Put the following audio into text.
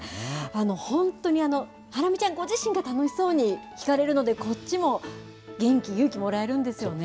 本当にハラミちゃんご自身が楽しそうに弾かれるので、こっちも元気、勇気もらえるんですよね。